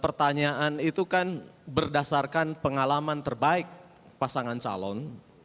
pertanyaan itu kan berdasarkan pengalaman terbaik pasangan calon